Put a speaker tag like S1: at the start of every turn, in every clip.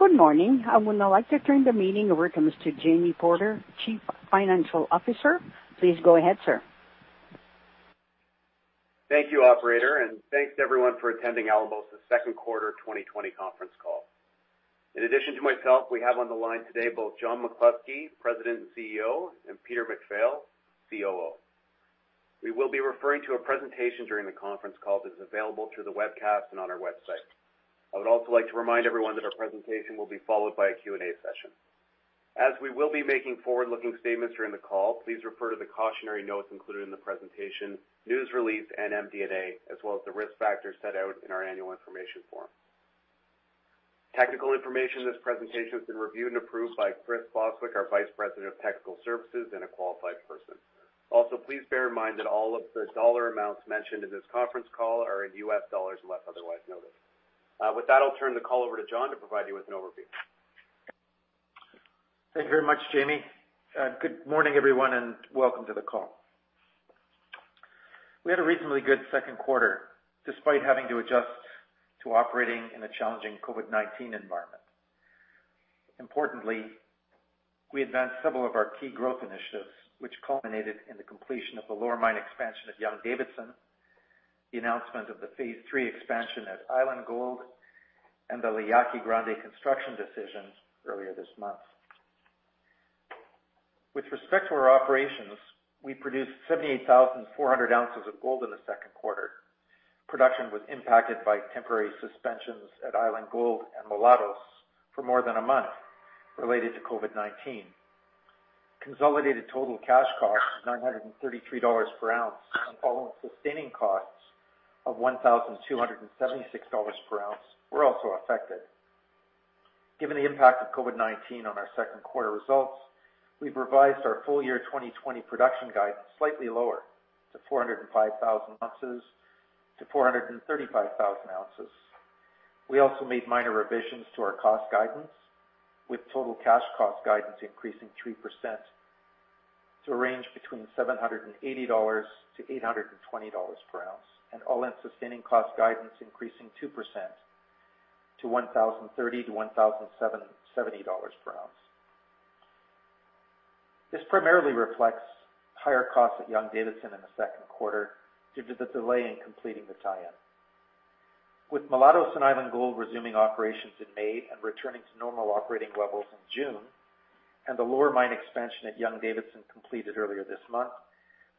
S1: Good morning. I would now like to turn the meeting over to Mr. Jamie Porter, Chief Financial Officer. Please go ahead, sir.
S2: Thank you, operator, and thanks everyone for attending Alamos' second quarter 2020 conference call. In addition to myself, we have on the line today both John McCluskey, President and CEO, and Peter MacPhail, COO. We will be referring to a presentation during the conference call that's available through the webcast and on our website. I would also like to remind everyone that our presentation will be followed by a Q&A session. As we will be making forward-looking statements during the call, please refer to the cautionary notes included in the presentation, news release, and MD&A, as well as the risk factors set out in our annual information form. Technical information in this presentation has been reviewed and approved by Chris Bostwick, our Vice President of Technical Services and a qualified person. Also, please bear in mind that all of the dollar amounts mentioned in this conference call are in US dollars unless otherwise noted. With that, I'll turn the call over to John to provide you with an overview.
S3: Thank you very much, Jamie. Good morning, everyone, welcome to the call. We had a reasonably good second quarter despite having to adjust to operating in a challenging COVID-19 environment. Importantly, we advanced several of our key growth initiatives, which culminated in the completion of the lower mine expansion at Young-Davidson, the announcement of the Phase 3+ expansion at Island Gold, and the La Yaqui Grande construction decisions earlier this month. With respect to our operations, we produced 78,400 ounces of gold in the second quarter. Production was impacted by temporary suspensions at Island Gold and Mulatos for more than a month related to COVID-19. Consolidated total cash cost of $933 per ounce and All-in Sustaining Costs of $1,276 per ounce were also affected. Given the impact of COVID-19 on our second quarter results, we've revised our full year 2020 production guidance slightly lower to 405,000 ounces-435,000 ounces. We also made minor revisions to our cost guidance, with total cash cost guidance increasing 3% to range between $780-$820 per ounce, and all-in sustaining cost guidance increasing 2% to $1,030-$1,070 per ounce. This primarily reflects higher costs at Young-Davidson in the second quarter due to the delay in completing the tie-in. With Mulatos and Island Gold resuming operations in May and returning to normal operating levels in June, and the lower mine expansion at Young-Davidson completed earlier this month,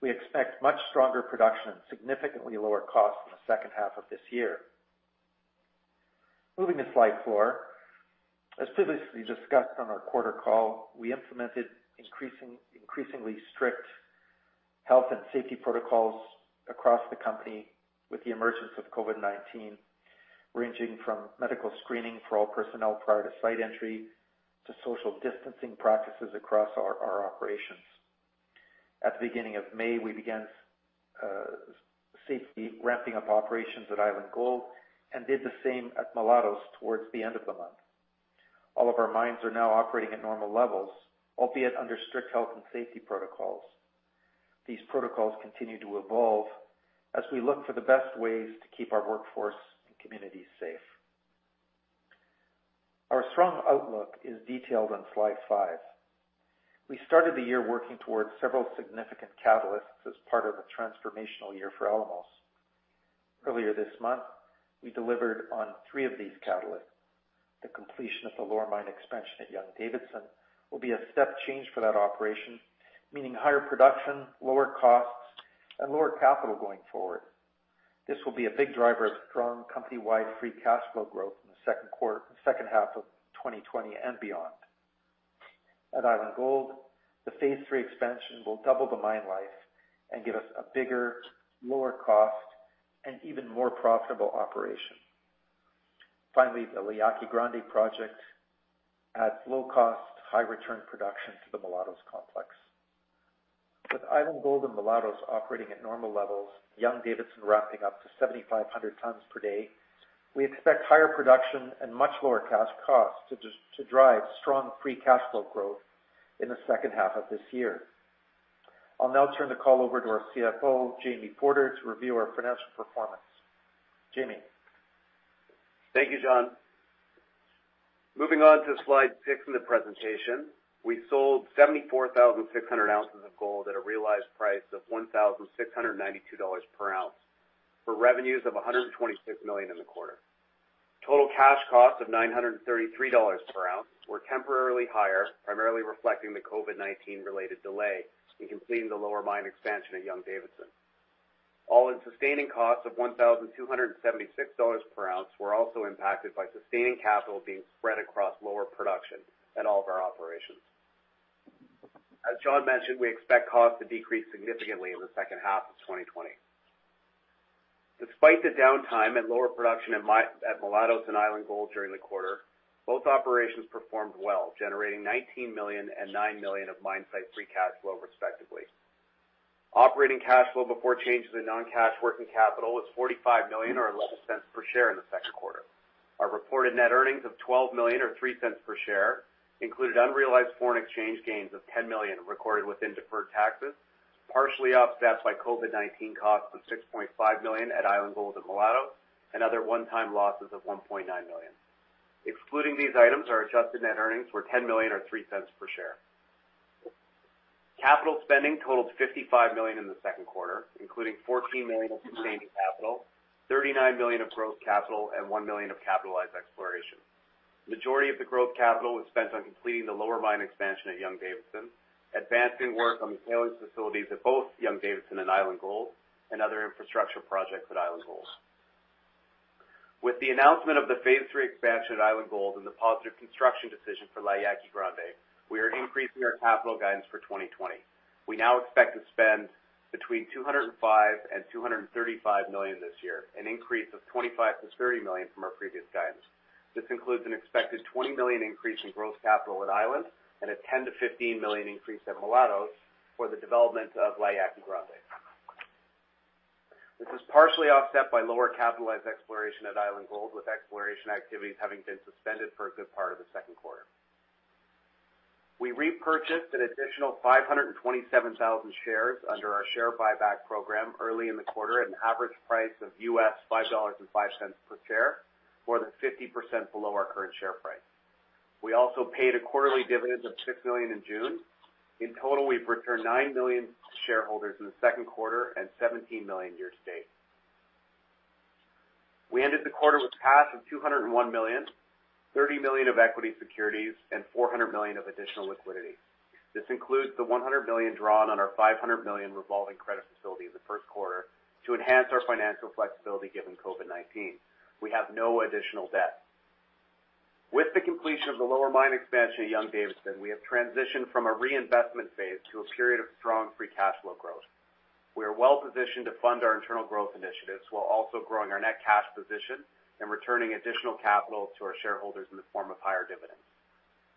S3: we expect much stronger production and significantly lower costs in the second half of this year. Moving to slide four. As previously discussed on our quarter call, we implemented increasingly strict health and safety protocols across the company with the emergence of COVID-19, ranging from medical screening for all personnel prior to site entry to social distancing practices across our operations. At the beginning of May, we began safely ramping up operations at Island Gold and did the same at Mulatos toward the end of the month. All of our mines are now operating at normal levels, albeit under strict health and safety protocols. These protocols continue to evolve as we look for the best ways to keep our workforce and communities safe. Our strong outlook is detailed on slide five. We started the year working toward several significant catalysts as part of a transformational year for Alamos. Earlier this month, we delivered on three of these catalysts. The completion of the lower mine expansion at Young-Davidson will be a step change for that operation, meaning higher production, lower costs, and lower capital going forward. This will be a big driver of strong company-wide free cash flow growth in the second half of 2020 and beyond. At Island Gold, the Phase 3+ expansion will double the mine life and give us a bigger, lower cost and even more profitable operation. The La Yaqui Grande project adds low cost, high return production to the Mulatos complex. With Island Gold and Mulatos operating at normal levels, Young-Davidson ramping up to 7,500 tons per day, we expect higher production and much lower cash costs to drive strong free cash flow growth in the second half of this year. I'll now turn the call over to our CFO, Jamie Porter, to review our financial performance. Jamie.
S2: Thank you, John. Moving on to slide six in the presentation. We sold 74,600 ounces of gold at a realized price of $1,692 per ounce for revenues of $126 million in the quarter. Total cash costs of $933 per ounce were temporarily higher, primarily reflecting the COVID-19 related delay in completing the lower mine expansion at Young-Davidson. All-in sustaining costs of $1,276 per ounce were also impacted by sustaining capital being spread across lower production at all of our operations. As John mentioned, we expect costs to decrease significantly in the second half of 2020. Despite the downtime and lower production at Mulatos and Island Gold during the quarter, both operations performed well, generating $19 million and $9 million of mine site free cash flow, respectively. Operating cash flow before changes in non-cash working capital was $45 million or $0.11 per share in the second quarter. Our reported net earnings of $12 million or $0.03 per share included unrealized foreign exchange gains of $10 million recorded within deferred taxes. Partially offset by COVID-19 costs of $6.5 million at Island Gold and Mulatos, and other one-time losses of $1.9 million. Excluding these items, our adjusted net earnings were $10 million or $0.03 per share. Capital spending totaled $55 million in the second quarter, including $14 million of sustaining capital, $39 million of growth capital, and $1 million of capitalized exploration. Majority of the growth capital was spent on completing the lower mine expansion at Young-Davidson, advancing work on the tailings facilities at both Young-Davidson and Island Gold, and other infrastructure projects at Island Gold. With the announcement of the Phase 3+ Expansion at Island Gold and the positive construction decision for La Yaqui Grande, we are increasing our capital guidance for 2020. We now expect to spend between $205 million and $235 million this year, an increase of $25 million to $30 million from our previous guidance. This includes an expected $20 million increase in growth capital at Island and a $10 million to $15 million increase at Mulatos for the development of La Yaqui Grande. This was partially offset by lower capitalized exploration at Island Gold, with exploration activities having been suspended for a good part of the second quarter. We repurchased an additional 527,000 shares under our share buyback program early in the quarter at an average price of US $5.05 per share, more than 50% below our current share price. We also paid a quarterly dividend of $6 million in June. In total, we've returned $9 million to shareholders in the second quarter and $17 million year-to-date. We ended the quarter with cash of $201 million, $30 million of equity securities, and $400 million of additional liquidity. This includes the $100 million drawn on our $500 million revolving credit facility in the first quarter to enhance our financial flexibility given COVID-19. We have no additional debt. With the completion of the lower mine expansion at Young-Davidson, we have transitioned from a reinvestment phase to a period of strong free cash flow growth. We are well-positioned to fund our internal growth initiatives while also growing our net cash position and returning additional capital to our shareholders in the form of higher dividends.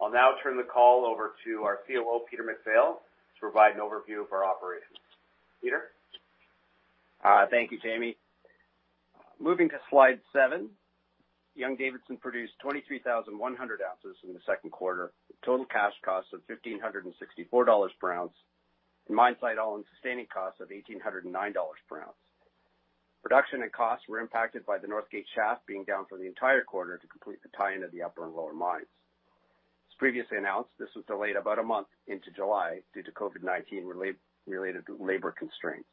S2: I'll now turn the call over to our COO, Peter MacPhail, to provide an overview of our operations. Peter?
S4: Thank you, Jamie. Moving to slide seven. Young-Davidson produced 23,100 ounces in the second quarter, with total cash costs of $1,564 per ounce and mine site all-in sustaining costs of $1,809 per ounce. Production and costs were impacted by the Northgate shaft being down for the entire quarter to complete the tie-in of the upper and lower mines. As previously announced, this was delayed about a month into July due to COVID-19 related labor constraints.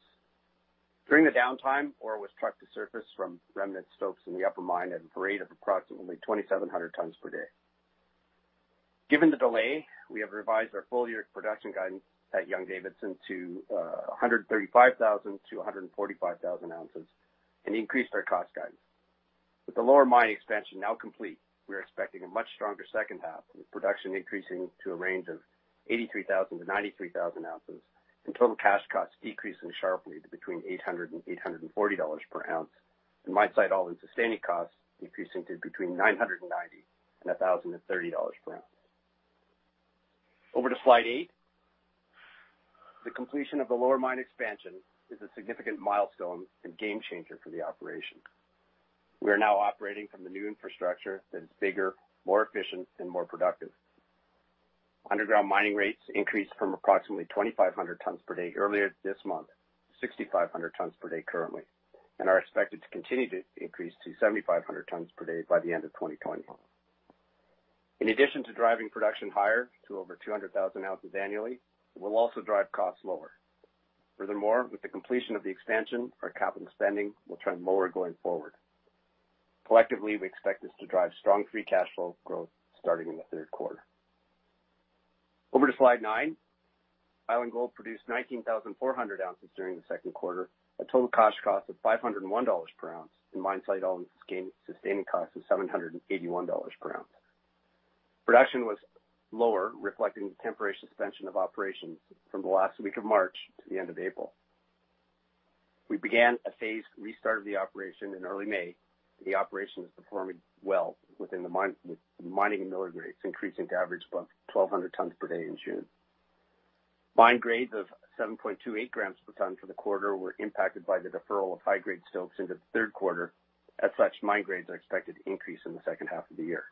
S4: During the downtime, ore was trucked to surface from remnant stopes in the upper mine at a rate of approximately 2,700 tons per day. Given the delay, we have revised our full-year production guidance at Young-Davidson to 135,000-145,000 ounces and increased our cost guidance. With the lower mine expansion now complete, we are expecting a much stronger second half, with production increasing to a range of 83,000 ounces-93,000 ounces and total cash costs decreasing sharply to between $800 and $840 per ounce, and mine site all-in sustaining costs decreasing to between $990 and $1,030 per ounce. Over to slide eight. The completion of the lower mine expansion is a significant milestone and game changer for the operation. We are now operating from the new infrastructure that is bigger, more efficient, and more productive. Underground mining rates increased from approximately 2,500 tons per day earlier this month to 6,500 tons per day currently and are expected to continue to increase to 7,500 tons per day by the end of 2020. In addition to driving production higher to over 200,000 ounces annually, it will also drive costs lower. Furthermore, with the completion of the expansion, our capital spending will trend lower going forward. Collectively, we expect this to drive strong free cash flow growth starting in the third quarter. Over to slide nine. Island Gold produced 19,400 ounces during the second quarter, a total cash cost of $501 per ounce and mine site all-in sustaining cost of $781 per ounce. Production was lower, reflecting the temporary suspension of operations from the last week of March to the end of April. We began a phased restart of the operation in early May, and the operation is performing well, with mining and milling rates increasing to average above 1,200 tons per day in June. Mine grades of 7.28 grams per ton for the quarter were impacted by the deferral of high-grade stopes into the third quarter. As such, mine grades are expected to increase in the second half of the year.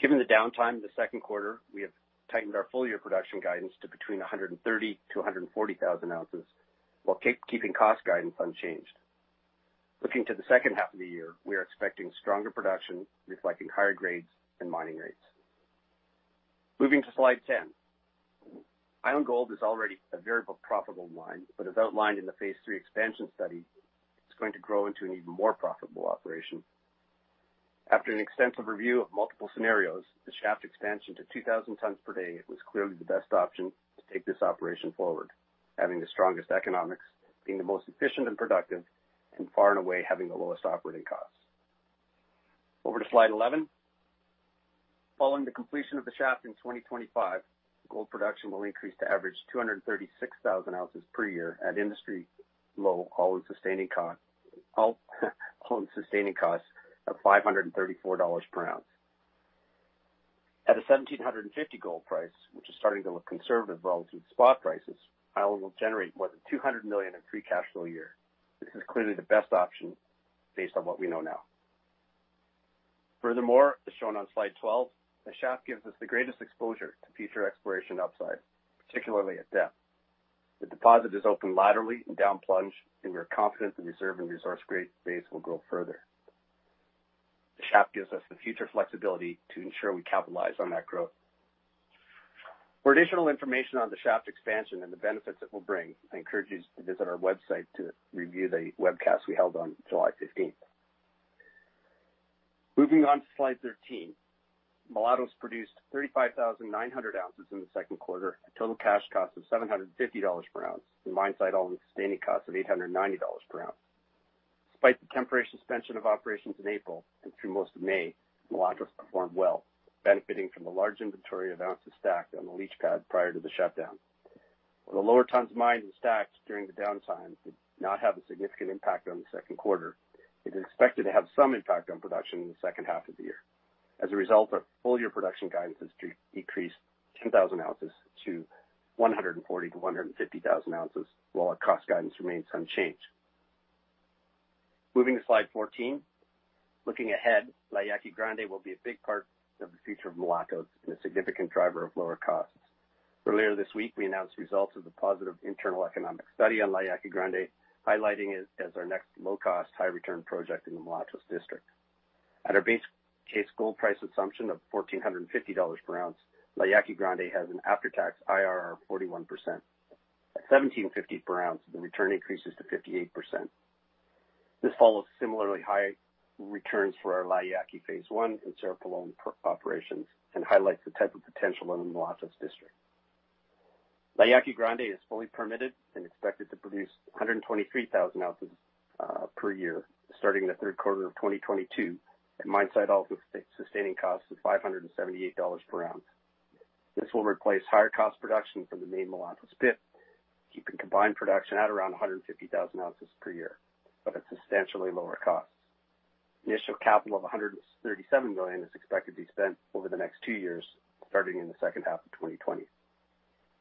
S4: Given the downtime in the second quarter, we have tightened our full-year production guidance to between 130,000 ounces-140,000 ounces while keeping cost guidance unchanged. Looking to the second half of the year, we are expecting stronger production, reflecting higher grades and milling rates. Moving to slide 10. Island Gold is already a very profitable mine, but as outlined in the Phase 3+ Expansion study, it's going to grow into an even more profitable operation. After an extensive review of multiple scenarios, the shaft expansion to 2,000 tons per day was clearly the best option to take this operation forward, having the strongest economics, being the most efficient and productive, and far and away having the lowest operating costs. Over to slide 11. Following the completion of the shaft in 2025, gold production will increase to average 236,000 ounces per year at industry low all-in sustaining costs of $534 per ounce. At a $1,750 gold price, which is starting to look conservative relative to spot prices, Island will generate more than $200 million in free cash flow a year. This is clearly the best option based on what we know now. Furthermore, as shown on slide 12, the shaft gives us the greatest exposure to future exploration upside, particularly at depth. The deposit is open laterally and down plunge, and we are confident the reserve and resource grade base will grow further. The shaft gives us the future flexibility to ensure we capitalize on that growth. For additional information on the shaft expansion and the benefits it will bring, I encourage you to visit our website to review the webcast we held on July 15th. Moving on to slide 13. Mulatos produced 35,900 ounces in the second quarter at a total cash cost of $750 per ounce and mine site all-in sustaining cost of $890 per ounce. Despite the temporary suspension of operations in April and through most of May, Mulatos performed well, benefiting from a large inventory of ounces stacked on the leach pad prior to the shutdown. While the lower tons mined and stacked during the downtime did not have a significant impact on the second quarter, it is expected to have some impact on production in the second half of the year. As a result, our full-year production guidance has decreased 10,000 ounces to 140,000 to 150,000 ounces, while our cost guidance remains unchanged. Moving to slide 14. Looking ahead, La Yaqui Grande will be a big part of the future of Mulatos and a significant driver of lower costs. Earlier this week, we announced results of the positive internal economic study on La Yaqui Grande, highlighting it as our next low-cost, high-return project in the Mulatos district. At our base case gold price assumption of $1,450 per ounce, La Yaqui Grande has an after-tax IRR of 41%. At $1,750 per ounce, the return increases to 58%. This follows similarly high returns for our La Yaqui phase I and Cerro Pelon operations and highlights the type of potential in the Mulatos district. La Yaqui Grande is fully permitted and expected to produce 123,000 ounces per year, starting in the third quarter of 2022 at mine site All-in Sustaining Costs of $578 per ounce. This will replace higher cost production from the main Mulatos pit, keeping combined production at around 150,000 ounces per year at substantially lower costs. Initial capital of $137 million is expected to be spent over the next two years, starting in the second half of 2020.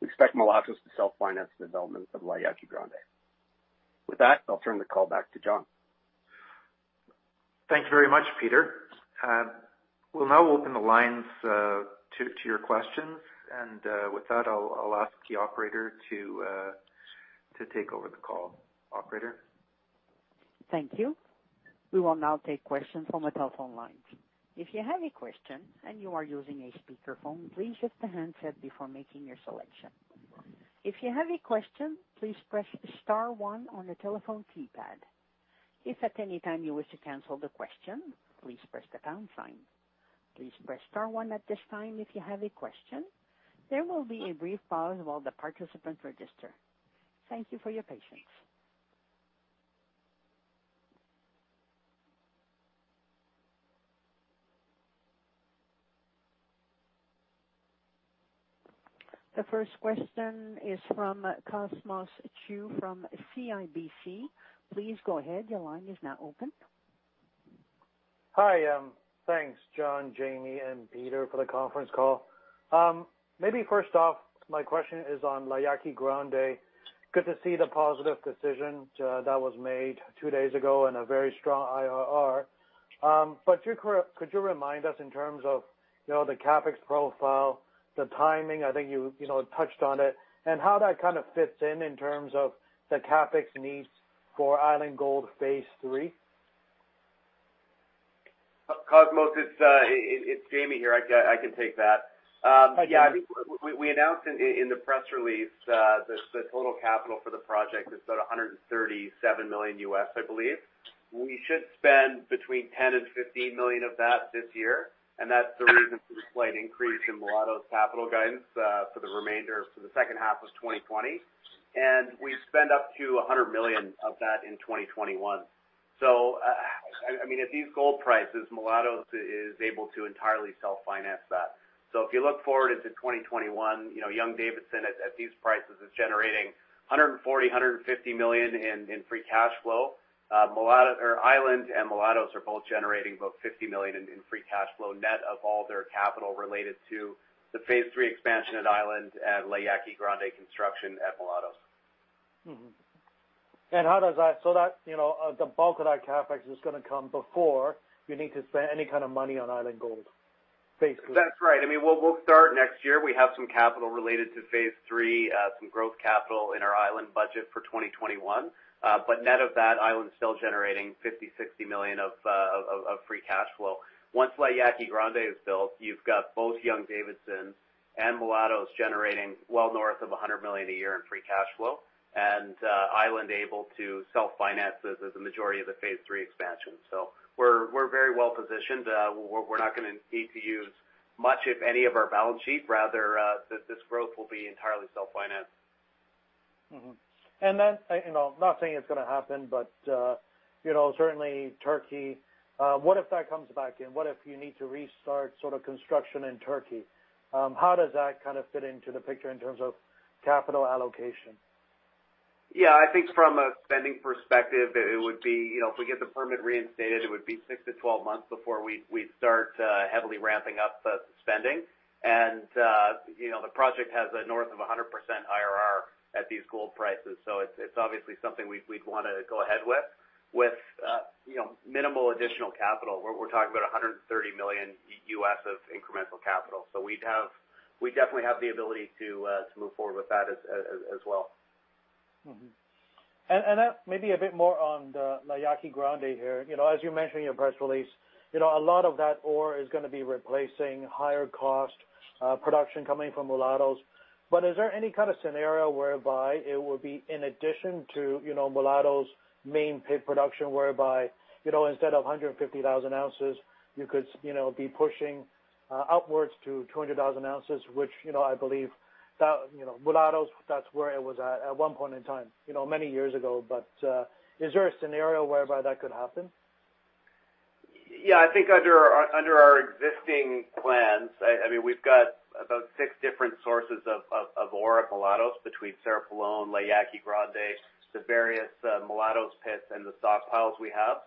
S4: We expect Mulatos to self-finance the development of La Yaqui Grande. With that, I'll turn the call back to John.
S3: Thank you very much, Peter. We'll now open the lines to your questions. With that, I'll ask the operator to take over the call. Operator?
S1: Thank you. We will now take questions from the telephone lines. If you have a question and you are using a speakerphone, please mute the handset before making your selection. If you have a question, please press star one on your telephone keypad. If at any time you wish to cancel the question, please press the pound sign. Please press star one at this time if you have a question. There will be a brief pause while the participants register. Thank you for your patience. The first question is from Cosmos Chiu from CIBC. Please go ahead. Your line is now open.
S5: Hi. Thanks, John, Jamie, and Peter for the conference call. First off, my question is on La Yaqui Grande. Good to see the positive decision that was made two days ago and a very strong IRR. Could you remind us in terms of the CapEx profile, the timing, I think you touched on it, and how that fits in in terms of the CapEx needs for Island Gold phase III?
S2: Cosmos, it's Jamie here. I can take that.
S5: Okay.
S2: Yeah, I think we announced in the press release that the total capital for the project is about $137 million, I believe. We should spend between $10 million-$15 million of that this year, and that's the reason for the slight increase in Mulatos capital guidance for the second half of 2020. We spend up to $100 million of that in 2021. At these gold prices, Mulatos is able to entirely self-finance that. If you look forward into 2021, Young-Davidson at these prices is generating $140 million-$150 million in free cash flow. Island and Mulatos are both generating about $50 million in free cash flow net of all their capital related to the Phase 3+ Expansion at Island and La Yaqui Grande construction at Mulatos.
S5: The bulk of that CapEx is going to come before you need to spend any kind of money on Island Gold, basically.
S2: That's right. We'll start next year. We have some capital related to phase III, some growth capital in our Island budget for 2021. Net of that, Island's still generating $50 million, $60 million of free cash flow. Once La Yaqui Grande is built, you've got both Young-Davidson and Mulatos generating well north of $100 million a year in free cash flow, and Island able to self-finance the majority of the Phase 3+ Expansion. We're very well positioned. We're not going to need to use much, if any, of our balance sheet. Rather, this growth will be entirely self-financed.
S5: Not saying it's going to happen, but certainly Turkey, what if that comes back in? What if you need to restart construction in Turkey? How does that fit into the picture in terms of capital allocation?
S2: Yeah, I think from a spending perspective, if we get the permit reinstated, it would be 6 months-12 months before we'd start heavily ramping up the spending. The project has north of 100% IRR at these gold prices, so it's obviously something we'd want to go ahead with. With minimal additional capital, we're talking about $130 million of incremental capital. We definitely have the ability to move forward with that as well.
S5: Maybe a bit more on the La Yaqui Grande here. As you mentioned in your press release, a lot of that ore is going to be replacing higher cost production coming from Mulatos. Is there any kind of scenario whereby it would be in addition to Mulatos' main pit production whereby, instead of 150,000 ounces, you could be pushing upwards to 200,000 ounces, which I believe Mulatos, that's where it was at one point in time, many years ago. Is there a scenario whereby that could happen?
S2: I think under our existing plans, we've got about six different sources of ore at Mulatos between Cerro Pelon, La Yaqui Grande, the various Mulatos pits, and the stockpiles we have.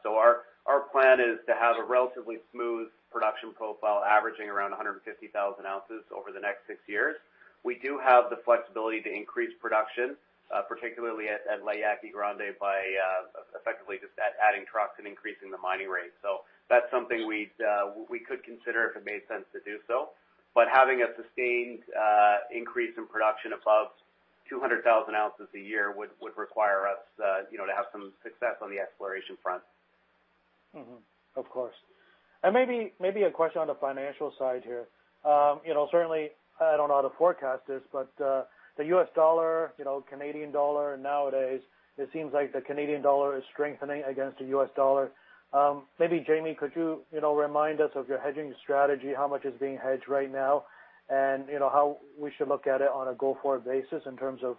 S2: Our plan is to have a relatively smooth production profile averaging around 150,000 ounces over the next six years. We do have the flexibility to increase production, particularly at La Yaqui Grande, by effectively just adding trucks and increasing the mining rate. That's something we could consider if it made sense to do so. Having a sustained increase in production above 200,000 ounces a year would require us to have some success on the exploration front.
S5: Of course. Maybe a question on the financial side here. Certainly, I don't know how to forecast this, but the US dollar, Canadian dollar, nowadays, it seems like the Canadian dollar is strengthening against the US dollar. Maybe Jamie, could you remind us of your hedging strategy, how much is being hedged right now, and how we should look at it on a go-forward basis in terms of,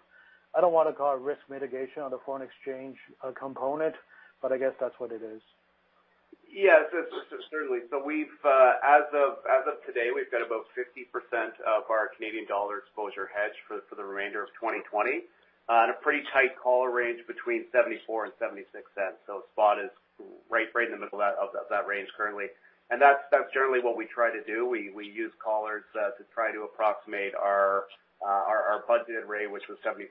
S5: I don't want to call it risk mitigation on the foreign exchange component, but I guess that's what it is.
S2: Yes, certainly. As of today, we've got about 50% of our Canadian dollar exposure hedged for the remainder of 2020 on a pretty tight collar range between 0.74-0.76. Spot is right in the middle of that range currently. That's generally what we try to do. We use collars to try to approximate our budgeted rate, which was 0.75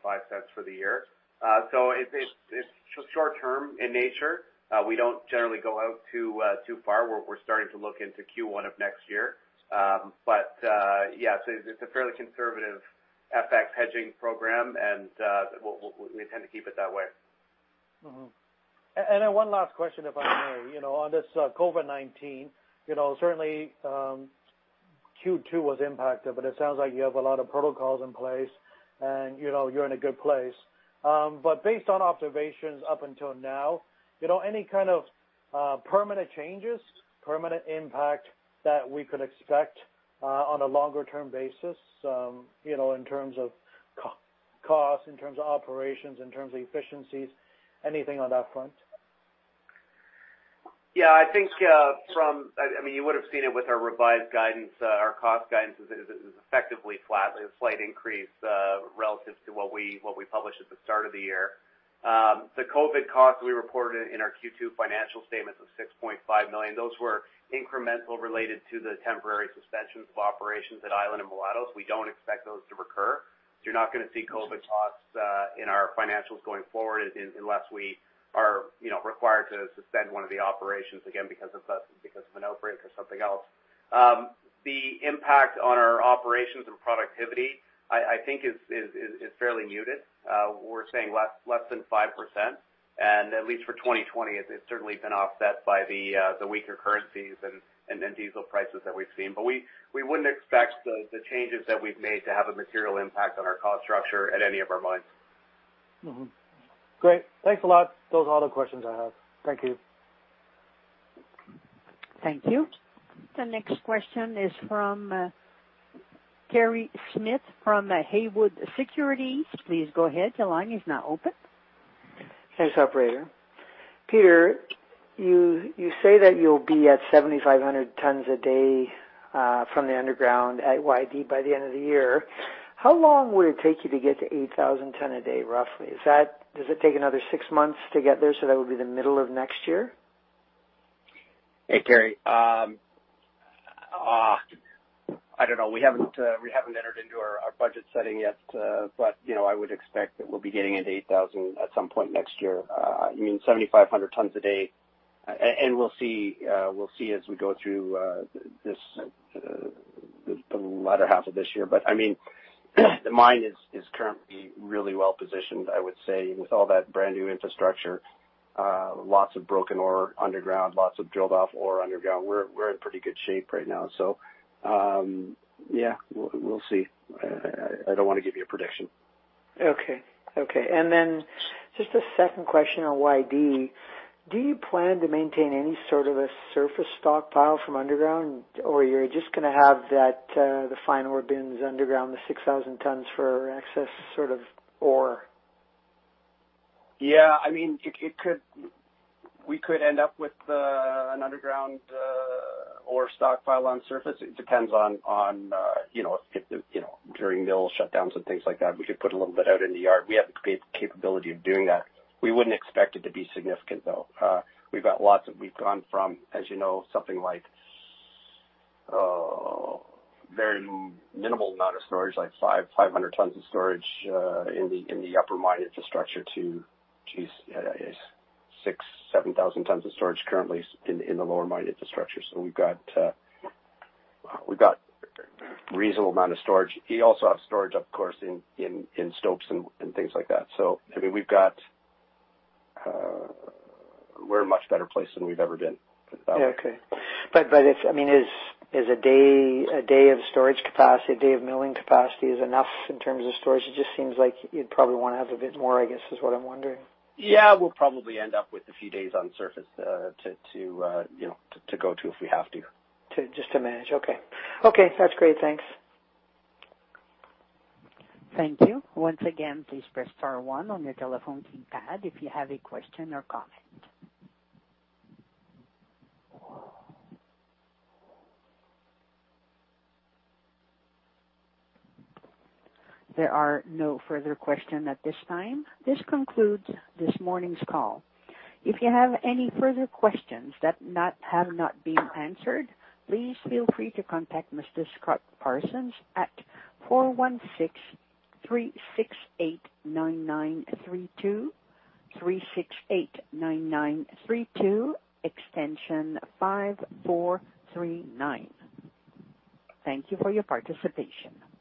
S2: for the year. It's short-term in nature. We don't generally go out too far where we're starting to look into Q1 of next year. Yes, it's a fairly conservative FX hedging program, and we tend to keep it that way.
S5: Then one last question, if I may. On this COVID-19, certainly Q2 was impacted, but it sounds like you have a lot of protocols in place and you're in a good place. Based on observations up until now, any kind of permanent changes, permanent impact that we could expect on a longer-term basis, in terms of cost, in terms of operations, in terms of efficiencies, anything on that front?
S2: Yeah, I think you would've seen it with our revised guidance. Our cost guidance is effectively flat with a slight increase relative to what we published at the start of the year. The COVID costs we reported in our Q2 financial statements was $6.5 million. Those were incremental related to the temporary suspensions of operations at Island and Mulatos. We don't expect those to recur. You're not going to see COVID costs in our financials going forward unless we are required to suspend one of the operations again because of an outbreak or something else. The impact on our operations and productivity, I think is fairly muted. We're saying less than 5%, and at least for 2020, it's certainly been offset by the weaker currencies and diesel prices that we've seen. We wouldn't expect the changes that we've made to have a material impact on our cost structure at any of our mines.
S5: Great. Thanks a lot. Those are all the questions I have. Thank you.
S1: Thank you. The next question is from Kerry Smith from Haywood Securities. Please go ahead. Your line is now open.
S6: Thanks, operator. Peter, you say that you'll be at 7,500 tons a day from the underground at YD by the end of the year. How long would it take you to get to 8,000 tons a day, roughly? Does it take another six months to get there, so that would be the middle of next year?
S4: Hey, Kerry. I don't know. We haven't entered into our budget setting yet. I would expect that we'll be getting into 8,000 at some point next year. I mean, 7,500 tons a day, we'll see as we go through the latter half of this year. The mine is currently really well positioned, I would say, with all that brand new infrastructure. Lots of broken ore underground, lots of drilled off ore underground. We're in pretty good shape right now. Yeah, we'll see. I don't want to give you a prediction.
S6: Okay. Just a second question on YD. Do you plan to maintain any sort of a surface stockpile from underground, or you're just going to have the final bins underground, the 6,000 tons for excess ore?
S4: Yeah. We could end up with an underground ore stockpile on surface. It depends on if during mill shutdowns and things like that, we could put a little bit out in the yard. We have the capability of doing that. We wouldn't expect it to be significant, though. We've gone from, as you know, something like a very minimal amount of storage, like 500 tons of storage in the upper mine infrastructure to, geez, 6,000, 7,000 tons of storage currently in the lower mine infrastructure. We've got a reasonable amount of storage. We also have storage, of course, in stopes and things like that. We're in a much better place than we've ever been with that.
S6: Okay. Is a day of storage capacity, a day of milling capacity is enough in terms of storage? It just seems like you'd probably want to have a bit more, I guess, is what I'm wondering.
S4: Yeah, we'll probably end up with a few days on surface to go to if we have to.
S6: Just to manage. Okay. That's great. Thanks.
S1: Thank you. Once again, please press star one on your telephone keypad if you have a question or comment. There are no further question at this time. This concludes this morning's call. If you have any further questions that have not been answered, please feel free to contact Mr. Scott Parsons at 416-368-9932, extension 5439. Thank you for your participation.